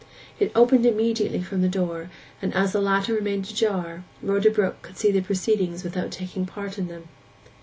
It opened immediately from the door; and, as the latter remained ajar, Rhoda Brook could see the proceedings without taking part in them.